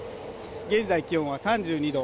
現在気温は３２度。